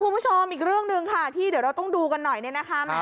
คุณผู้ชมอีกเรื่องหนึ่งค่ะที่เดี๋ยวเราต้องดูกันหน่อยเนี่ยนะคะ